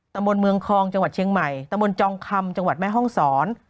ตำบลเมืองคลองจังหวัดเชียงใหม่ตะบนจองคำจังหวัดแม่ห้องศร